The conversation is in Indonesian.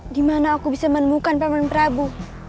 gimana aku bisa menemukan paman prabu